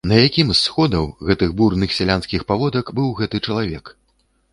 На якім з сходаў, гэтых бурных сялянскіх паводак, быў гэты чалавек?